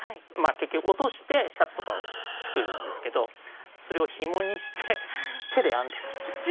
結局落としてシャツとかを作るんですけどそれをひもにして手で編んでるんです。